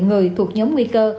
người thuộc nhóm nguy cơ